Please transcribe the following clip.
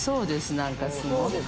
何かすごく。